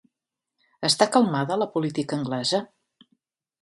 Està calmada la política anglesa?